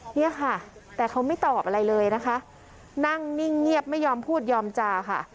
เนี่ยค่ะแต่เขาไม่ตอบอะไรเลยนะคะนั่งนิ่งเงียบไม่ยอมพูดยอมจาค่ะ